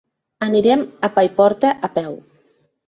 Anirem a Paiporta a peu.